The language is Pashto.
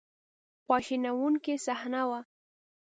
خواشینونکې صحنه وه.